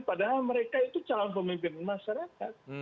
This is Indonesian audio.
padahal mereka itu calon pemimpin masyarakat